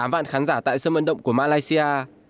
tám vạn khán giả tại sân vận động của malaysia